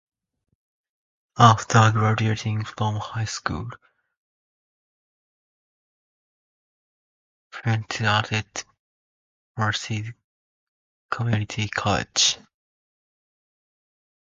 After graduating from high school, Fuentes attended Merced Community College.